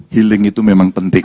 healing itu memang penting